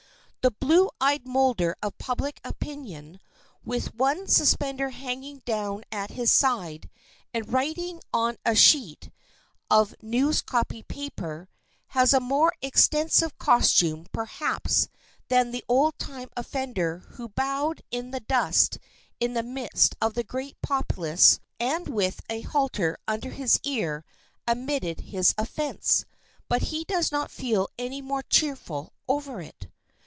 The blue eyed moulder of public opinion, with one suspender hanging down at his side and writing on a sheet of news copy paper, has a more extensive costume perhaps than the old time offender who bowed in the dust in the midst of the great populace and with a halter under his ear admitted his offense, but he does not feel any more cheerful over it.